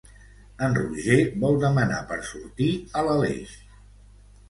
En Roger vol demanar per sortir a l'Aleix.